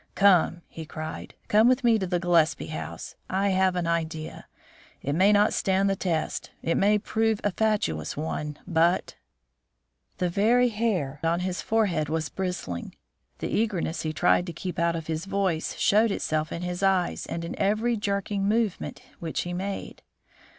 "Come," he cried. "Come with me to the Gillespie house. I have an idea. It may not stand the test, it may prove a fatuous one, but " The very hair on his forehead was bristling; the eagerness he tried to keep out of his voice showed itself in his eyes and in every jerking movement which he made.